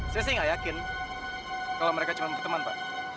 saya sih gak yakin kalau mereka cuma berteman pak